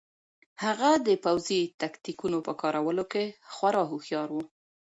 هغه د پوځي تکتیکونو په کارولو کې خورا هوښیار و.